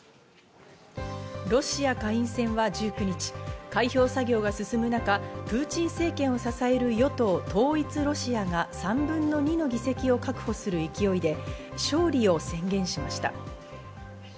ロシア下院選は１９日、開票作業が進む中、プーチン政権を支える与党、統一ロシアが３分の２の議席を確保する勢いで勝利を宣言しました。